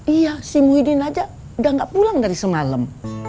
iya si muhyiddin aja udah gak pulang dari semalam